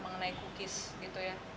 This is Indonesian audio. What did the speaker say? mengenai cookies gitu ya